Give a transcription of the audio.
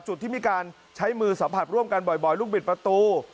จุดที่มีการใช้มือสัมผัสร่วมกันบ่อยลูกบิดประตู